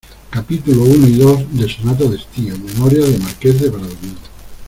capítulos uno y dos de Sonata de Estío, Memorias del Marqués de Bradomín.